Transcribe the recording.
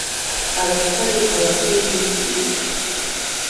abatari abakozi b ikigo